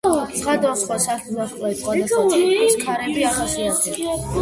სხვადასხვა სახის ვარსკვლავებს სხვადასხვა ტიპის ქარები ახასიათებთ.